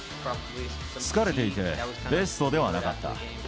疲れていて、ベストではなかった。